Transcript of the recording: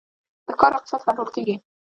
د ښکار اقتصاد کنټرول کیږي